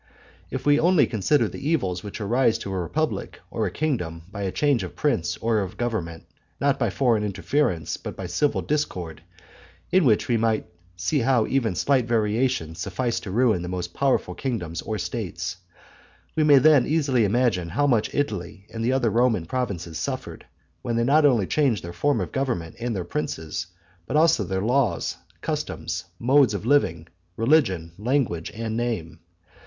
If we only consider the evils which arise to a republic or a kingdom by a change of prince or of government; not by foreign interference, but by civil discord (in which we may see how even slight variations suffice to ruin the most powerful kingdoms or states), we may then easily imagine how much Italy and the other Roman provinces suffered, when they not only changed their forms of government and their princes, but also their laws, customs, modes of living, religion, language, and name.